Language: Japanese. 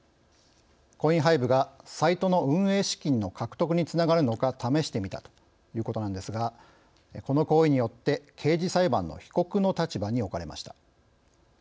コインハイブがサイトの運営資金の獲得につながるのか試してみたということなんですがこの行為によって刑事裁判の被告の立場に置かれました。